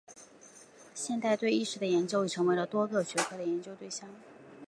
现代对意识的研究已经成为了多个学科的研究对象。